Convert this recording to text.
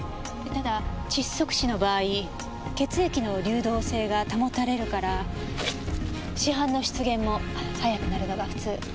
ただ窒息死の場合血液の流動性が保たれるから死斑の出現も早くなるのが普通。